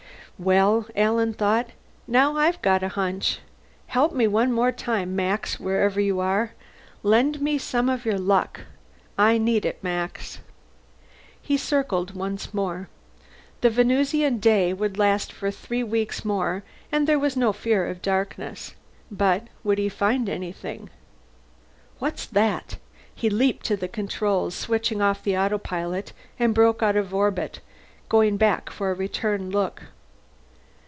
Well, Alan thought, now I've got a hunch. Help me one more time, Max, wherever you are! Lend me some of your luck. I need it, Max. He circled once more. The Venusian day would last for three weeks more; there was no fear of darkness. But would he find anything? What's that? He leaped to the controls, switched off the autopilot, and broke out of orbit, going back for a return look.